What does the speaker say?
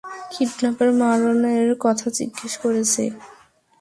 Kidnapper মারানের কথা জিজ্ঞেস করেছে।